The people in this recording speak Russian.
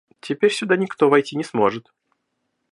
Теперь сюда никто войти не сможет.